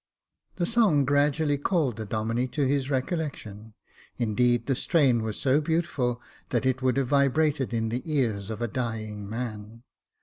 The song gradually called the Domine to his recollec tion ; indeed, the strain was so beautiful, that it would have vibrated in the ears of a dying man.